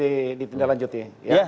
kalau mau kasusnya ditindaklanjuti